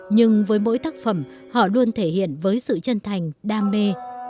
nhưng với mỗi tác phẩm họ luôn thể hiện với sự chân thành đam mê